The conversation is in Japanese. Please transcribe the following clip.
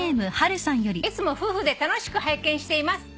「いつも夫婦で楽しく拝見しています」